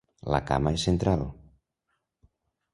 La cama és central.